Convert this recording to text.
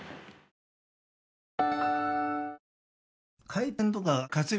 回転とか活力